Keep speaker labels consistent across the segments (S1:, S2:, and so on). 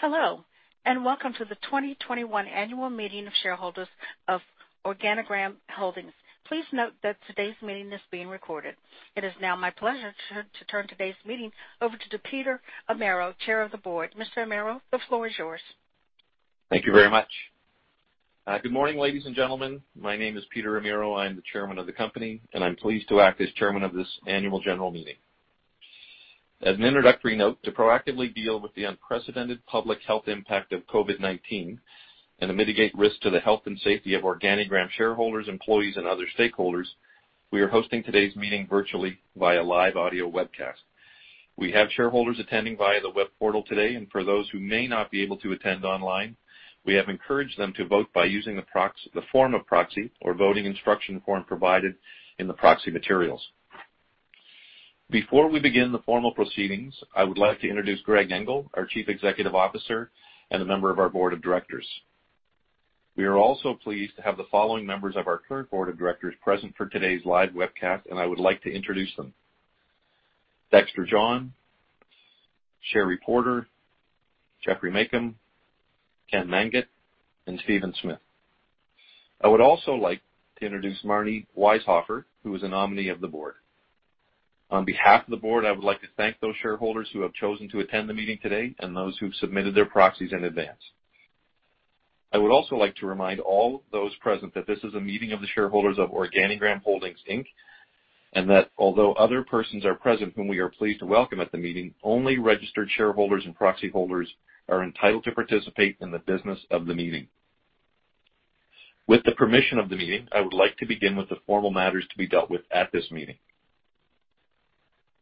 S1: Hello, and welcome to the 2021 annual meeting of shareholders of OrganiGram Holdings. Please note that today's meeting is being recorded. It is now my pleasure to turn today's meeting over to Peter Amirault, Chair of the Board. Mr. Amirault, the floor is yours.
S2: Thank you very much. Good morning, ladies and gentlemen. My name is Peter Amirault. I'm the chairman of the company, and I'm pleased to act as chairman of this annual general meeting. As an introductory note, to proactively deal with the unprecedented public health impact of COVID-19 and to mitigate risk to the health and safety of OrganiGram shareholders, employees, and other stakeholders, we are hosting today's meeting virtually via live audio webcast. We have shareholders attending via the web portal today and for those who may not be able to attend online, we have encouraged them to vote by using the form of proxy or voting instruction form provided in the proxy materials. Before we begin the formal proceedings, I would like to introduce Greg Engel, our Chief Executive Officer and a member of our board of directors. We are also pleased to have the following members of our current board of directors present for today's live webcast, and I would like to introduce them. Dexter John, Sherry Porter, Geoffrey Machum, Ken Manget, and Stephen Smith. I would also like to introduce Marni Wieshofer, who is a nominee of the board. On behalf of the board, I would like to thank those shareholders who have chosen to attend the meeting today and those who've submitted their proxies in advance. I would also like to remind all those present that this is a meeting of the shareholders of OrganiGram Holdings Inc., and that although other persons are present, whom we are pleased to welcome at the meeting, only registered shareholders and proxy holders are entitled to participate in the business of the meeting. With the permission of the meeting, I would like to begin with the formal matters to be dealt with at this meeting.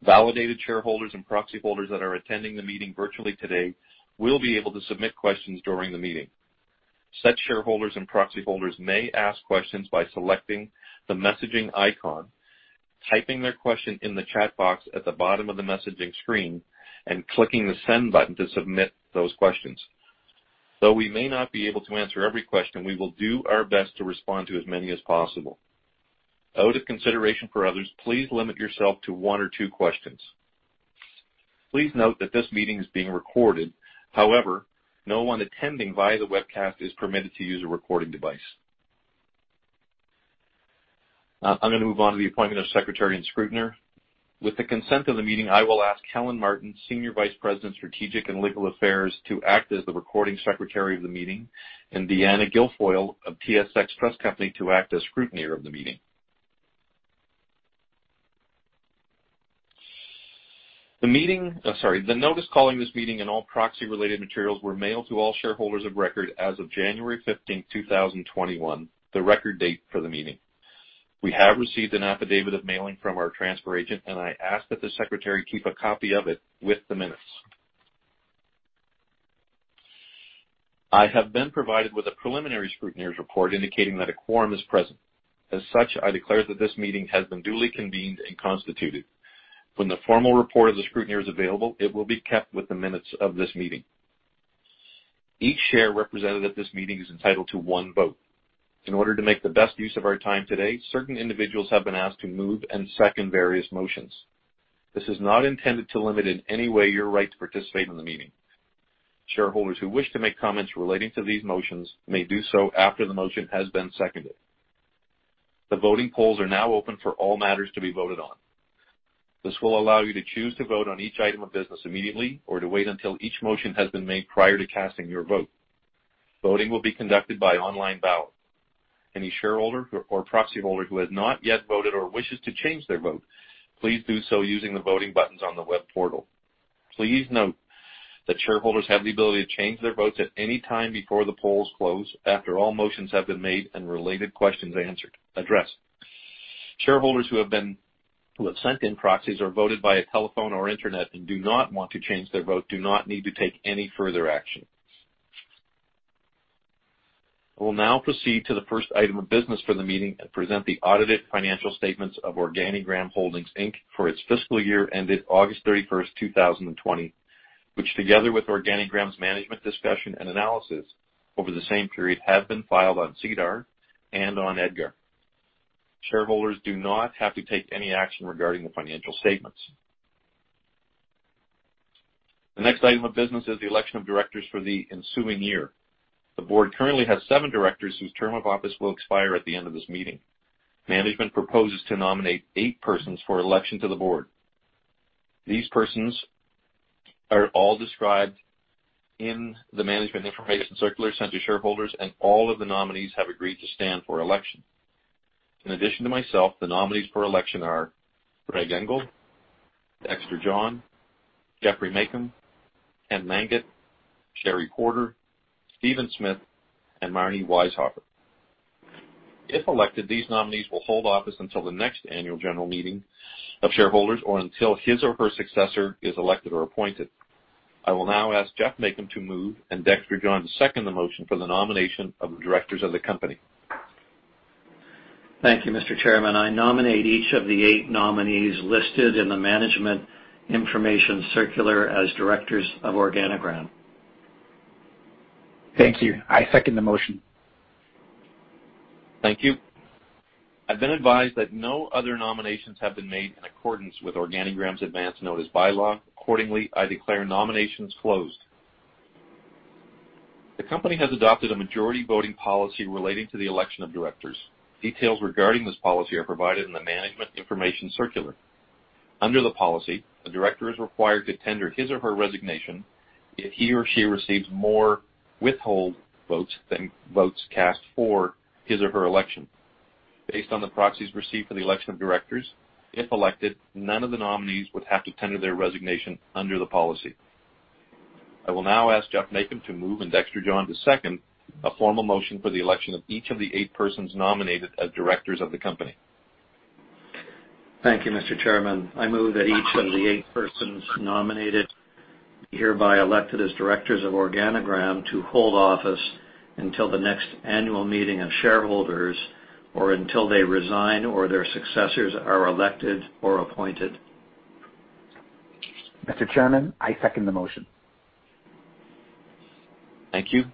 S2: Validated shareholders and proxy holders that are attending the meeting virtually today will be able to submit questions during the meeting. Such shareholders and proxy holders may ask questions by selecting the messaging icon, typing their question in the chat box at the bottom of the messaging screen, and clicking the send button to submit those questions. Though we may not be able to answer every question, we will do our best to respond to as many as possible. Out of consideration for others, please limit yourself to one or two questions. Please note that this meeting is being recorded. However, no one attending via the webcast is permitted to use a recording device. I'm going to move on to the appointment of secretary and scrutineer. With the consent of the meeting, I will ask Helen Martin, Senior Vice President, Strategic and Legal Affairs, to act as the recording secretary of the meeting, and Deanna Guilfoyle of TSX Trust Company to act as scrutineer of the meeting. The notice calling this meeting and all proxy-related materials were mailed to all shareholders of record as of January 15, 2021, the record date for the meeting. We have received an affidavit of mailing from our transfer agent, and I ask that the secretary keep a copy of it with the minutes. I have been provided with a preliminary scrutineer's report indicating that a quorum is present. As such, I declare that this meeting has been duly convened and constituted. When the formal report of the scrutineer is available, it will be kept with the minutes of this meeting. Each share represented at this meeting is entitled to one vote. In order to make the best use of our time today, certain individuals have been asked to move and second various motions. This is not intended to limit in any way your right to participate in the meeting. Shareholders who wish to make comments relating to these motions may do so after the motion has been seconded. The voting polls are now open for all matters to be voted on. This will allow you to choose to vote on each item of business immediately or to wait until each motion has been made prior to casting your vote. Voting will be conducted by online ballot. Any shareholder or proxy holder who has not yet voted or wishes to change their vote, please do so using the voting buttons on the web portal. Please note that shareholders have the ability to change their votes at any time before the polls close after all motions have been made and related questions addressed. Shareholders who have sent in proxies or voted by a telephone or internet and do not want to change their vote do not need to take any further action. I will now proceed to the first item of business for the meeting and present the audited financial statements of OrganiGram Holdings Inc. for its fiscal year ended August 31st, 2020, which together with OrganiGram's management discussion and analysis over the same period, have been filed on SEDAR and on EDGAR. Shareholders do not have to take any action regarding the financial statements. The next item of business is the election of directors for the ensuing year. The board currently has seven directors whose term of office will expire at the end of this meeting. Management proposes to nominate eight persons for election to the board. These persons are all described in the management information circular sent to shareholders, and all of the nominees have agreed to stand for election. In addition to myself, the nominees for election are Greg Engel, Dexter John, Geoffrey Machum, Ken Manget, Sherry Porter, Stephen Smith, and Marni Wieshofer. If elected, these nominees will hold office until the next annual general meeting of shareholders or until his or her successor is elected or appointed. I will now ask Geoffrey Machum to move and Dexter John to second the motion for the nomination of the directors of the company.
S3: Thank you, Mr. Chairman. I nominate each of the eight nominees listed in the management information circular as directors of OrganiGram. Thank you. I second the motion.
S2: Thank you. I've been advised that no other nominations have been made in accordance with OrganiGram's advance notice bylaw. Accordingly, I declare nominations closed. The company has adopted a majority voting policy relating to the election of directors. Details regarding this policy are provided in the management information circular. Under the policy, a director is required to tender his or her resignation if he or she receives more withhold votes than votes cast for his or her election. Based on the proxies received for the election of directors, if elected, none of the nominees would have to tender their resignation under the policy. I will now ask Geoffrey Machum to move, and Dexter John to second a formal motion for the election of each of the 8 persons nominated as directors of the company.
S3: Thank you, Mr. Chairman. I move that each of the eight persons nominated hereby elected as directors of OrganiGram to hold office until the next annual meeting of shareholders, or until they resign, or their successors are elected or appointed.
S4: Mr. Chairman, I second the motion.
S2: Thank you.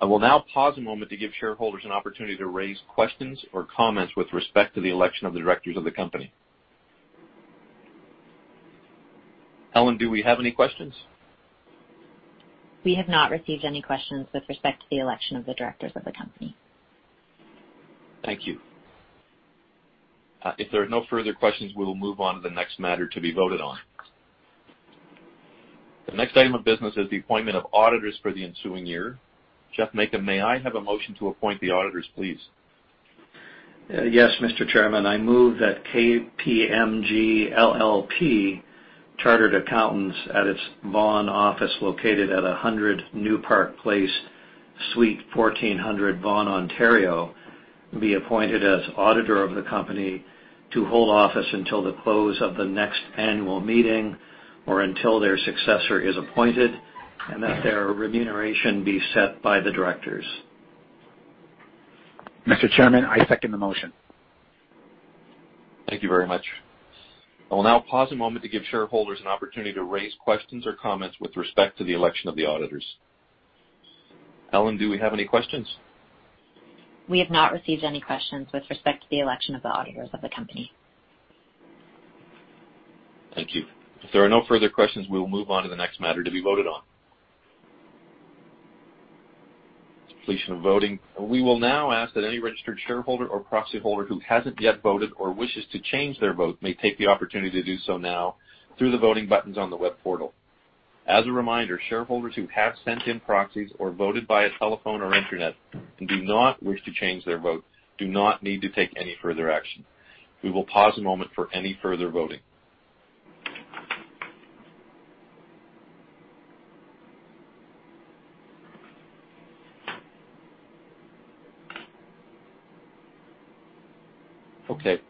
S2: I will now pause a moment to give shareholders an opportunity to raise questions or comments with respect to the election of the directors of the company. Helen, do we have any questions?
S5: We have not received any questions with respect to the election of the directors of the company.
S2: Thank you. If there are no further questions, we will move on to the next matter to be voted on. The next item of business is the appointment of auditors for the ensuing year. Geoffrey Machum, may I have a motion to appoint the auditors, please?
S3: Yes, Mr. Chairman, I move that KPMG LLP, chartered accountants at its Vaughan office located at 100 New Park Place, Suite 1400, Vaughan, Ontario, be appointed as auditor of the company to hold office until the close of the next annual meeting, or until their successor is appointed, and that their remuneration be set by the directors.
S4: Mr. Chairman, I second the motion.
S2: Thank you very much. I will now pause a moment to give shareholders an opportunity to raise questions or comments with respect to the election of the auditors. Helen, do we have any questions?
S5: We have not received any questions with respect to the election of the auditors of the company.
S2: Thank you. If there are no further questions, we will move on to the next matter to be voted on. Completion of voting. We will now ask that any registered shareholder or proxy holder who hasn't yet voted or wishes to change their vote may take the opportunity to do so now through the voting buttons on the web portal. As a reminder, shareholders who have sent in proxies or voted via telephone or internet and do not wish to change their vote do not need to take any further action. We will pause a moment for any further voting. Okay,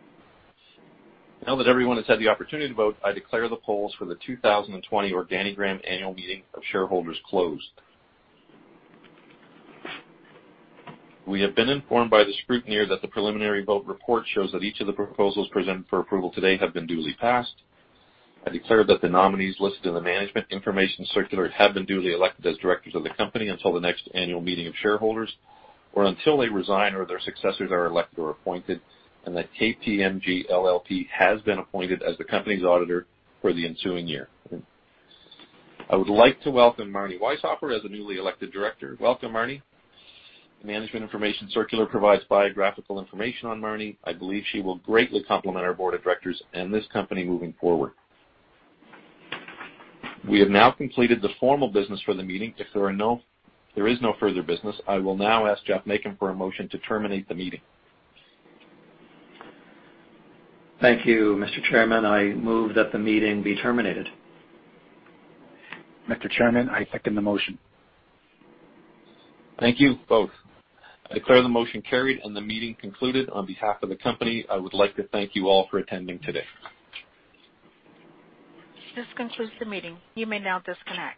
S2: now that everyone has had the opportunity to vote, I declare the polls for the 2020 OrganiGram annual meeting of shareholders closed. We have been informed by the scrutineer that the preliminary vote report shows that each of the proposals presented for approval today have been duly passed. I declare that the nominees listed in the management information circular have been duly elected as directors of the company until the next annual meeting of shareholders, or until they resign or their successors are elected or appointed, and that KPMG LLP has been appointed as the company's auditor for the ensuing year. I would like to welcome Marni Wieshofer as a newly elected director. Welcome, Marni. The management information circular provides biographical information on Marni. I believe she will greatly complement our board of directors and this company moving forward. We have now completed the formal business for the meeting. If there is no further business, I will now ask Geoff Machum for a motion to terminate the meeting.
S3: Thank you, Mr. Chairman. I move that the meeting be terminated.
S4: Mr. Chairman, I second the motion.
S2: Thank you both. I declare the motion carried and the meeting concluded. On behalf of the company, I would like to thank you all for attending today.
S1: This concludes the meeting. You may now disconnect.